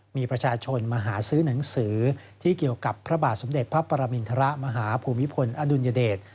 มีประชาชนมาหาซื้อหนังสือที่เกี่ยวกับพระบาทสมเด็จพระปรมินทรมาหาภูมิพลอดุลยเดช